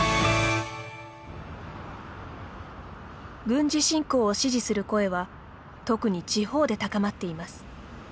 軍事侵攻を支持する声は特に地方で高まっています。